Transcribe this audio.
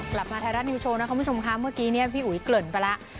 กลับมาไทยรัฐนิวโชว์นะคุณผู้ชมค่ะเมื่อกี้พี่อุ๋ยเกลิ่นไปแล้ว